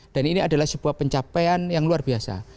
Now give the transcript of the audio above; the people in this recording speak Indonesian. ini adalah sebuah pencapaian yang luar biasa